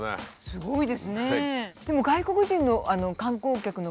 すごいですね。